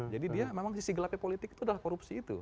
jadi dia memang sisi gelapnya politik itu adalah korupsi itu